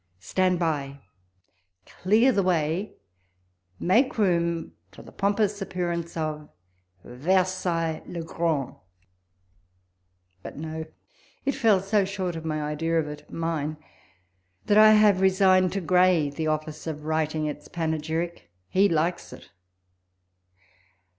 — Stand by. clear the wav, make room for the pompous appearance of Versailles le Grand I But no : it fell so short of my idea of it, mine, that I have resigned to Gray the office of writing its panegyric. He likes it.